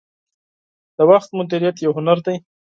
• د وخت مدیریت یو هنر دی.